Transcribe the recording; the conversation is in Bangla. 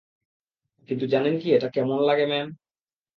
কিন্তু জানেন কি এটা কেমন লাগে, ম্যাম?